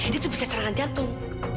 ini tuh bisa serangan jantung